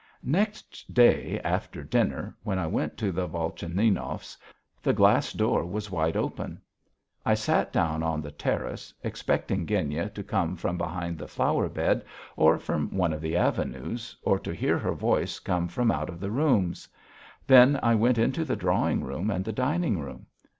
Next day after dinner when I went to the Volchaninovs', the glass door was wide open. I sat down on the terrace expecting Genya to come from behind the flower bed or from one of the avenues, or to hear her voice come from out of the rooms; then I went into the drawing room and the dining room.